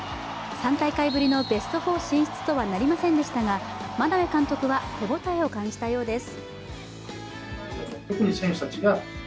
３大会ぶりのベスト４進出とはなりませんでしたが眞鍋監督は手応えを感じたようです。